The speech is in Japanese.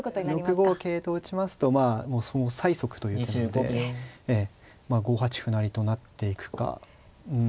６五桂と打ちますとまあ催促という手なのでええ５八歩成と成っていくかうん。